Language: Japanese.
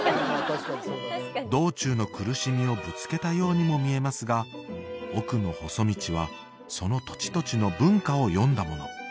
道中の苦しみをぶつけたようにも見えますが「おくのほそ道」はその土地土地の文化を詠んだもの